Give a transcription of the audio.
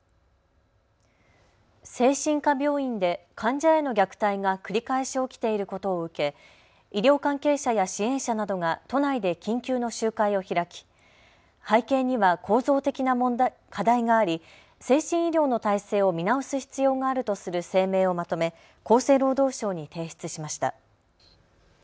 精神科病院で患者への虐待が繰り返し起きていることを受け医療関係者や支援者などが都内で緊急の集会を開き背景には構造的な課題があり先進医療の体制を見直す必要があるとする声明をまとめ厚生労働省に提出しました。